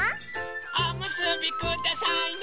おむすびくださいな！